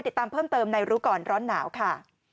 ติดตามเพิ่มเติมในรู้ก่อนร้อนหนาวค่ะ